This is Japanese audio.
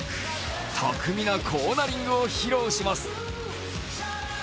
巧みなコーナリングを披露します。